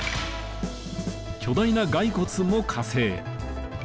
巨大な骸骨も加勢。